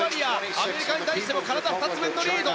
アメリカに対しても体２つ分のリード。